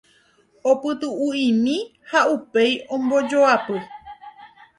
Opytu'u'imi ha upéi ombojoapy.